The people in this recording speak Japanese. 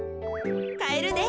かえるで。